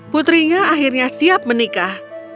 putrinya akhirnya siap menikah